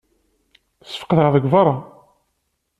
Ssfeqdeɣ deg berra.